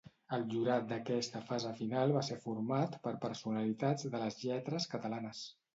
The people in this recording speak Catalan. El jurat d'aquesta fase final va ser format per personalitats de les lletres catalanes.